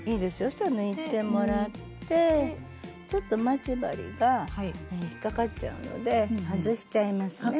そしたら抜いてもらってちょっと待ち針が引っ掛かっちゃうので外しちゃいますね。